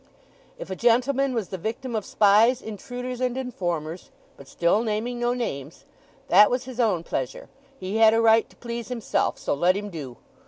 If a gentleman was the victim of spies, intruders, and informers (but still naming no names), that was his own pleasure. He had a right to please himself; so let him do.